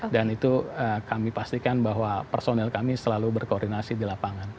itu kami pastikan bahwa personil kami selalu berkoordinasi di lapangan